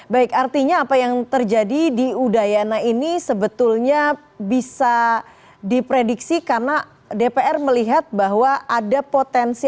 baik artinya apa yang terjadi di udayana ini sebetulnya bisa diprediksi karena dpr melihat bahwa ada potensi